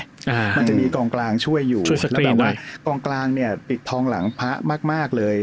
มันจะมีกองกลางช่วยอยู่แล้วแบบว่ากองกลางเนี่ยปิดทองหลังพระมากมากเลย